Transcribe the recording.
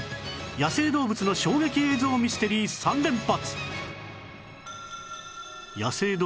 野生動物の衝撃映像ミステリー３連発！